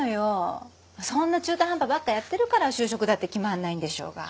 そんな中途半端ばっかやってるから就職だって決まんないんでしょうが。